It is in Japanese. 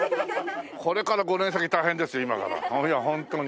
これから５年先大変ですよ今から。いやホントに。